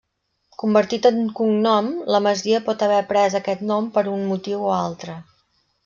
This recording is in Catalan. Convertit en cognom, la masia pot haver pres aquest nom per un motiu o l'altre.